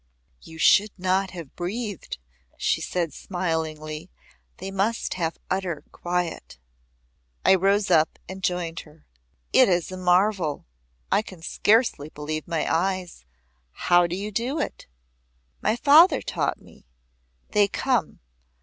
"You should not have breathed," she said smiling. "They must have utter quiet." I rose up and joined her. "It is a marvel. I can scarcely believe my eyes. How do you do it?" "My father taught me. They come.